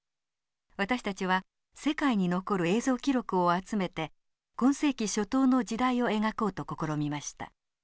私たちは世界に残る映像記録を集めて今世紀初頭の時代を描こうと試みました。